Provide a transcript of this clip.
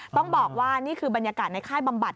ต้องบอกว่านี่คือบรรยากาศในค่ายบำบัด